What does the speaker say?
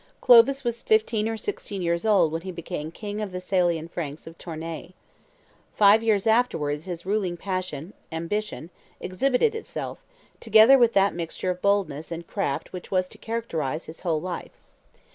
Clovis was fifteen or sixteen years old when he became King of the Salian Franks of Tournay. Five years afterwards his ruling passion, ambition, exhibited itself, together with that mixture of boldness and craft which was to characterize his whole life.